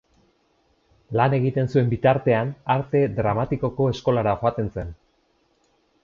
Lan egiten zuen bitartean Arte Dramatikoko eskolara joaten zen.